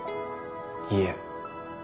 いえ。